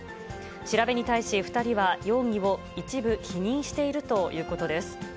調べに対し、２人は容疑を一部否認しているということです。